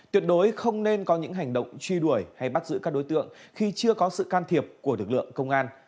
tuyệt đối không nên có những hành động truy đuổi hay bắt giữ các đối tượng khi chưa có sự can thiệp của lực lượng công an